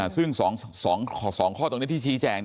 ซึ่ง๒ข้อตรงนี้ที่ชี้แจง